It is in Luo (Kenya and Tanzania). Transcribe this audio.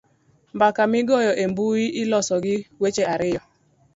mbaka migoyo e mbui iloso gi weche ariyo